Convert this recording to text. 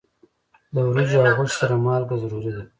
د وریجو او غوښې سره مالګه ضروری ده.